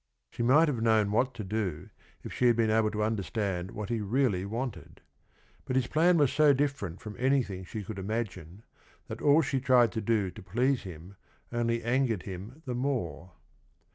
She might have known what to do if she had been able to understand what he really wanted. But his plan was so different from anything she could imagine, that all she tried to do to please him only angered him the more.